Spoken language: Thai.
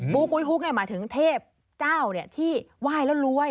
ปูกุ้ยฮุกเนี่ยหมายถึงเทพเจ้าเนี่ยที่ว่ายแล้วรวย